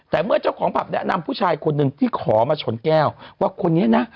แต่เมื่อเจ้าของผับแนะนำผู้ชายคนหนึ่งที่ขอมาชนแก้วว่าคนนี้นะ